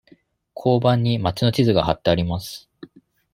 交番に町の地図がはってあります。